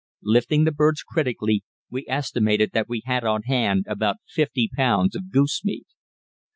Lifting the birds critically, we estimated that we had on hand about fifty pounds of goose meat.